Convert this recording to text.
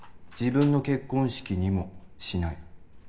自分の結婚式にもしない。